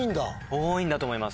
多いんだと思います。